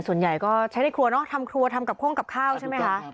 ส่วนใหญ่ก็ใช้ในครัวเนอะทำครัวทำกับโค้งกับข้าวใช่ไหมคะ